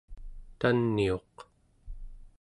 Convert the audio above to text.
taniuq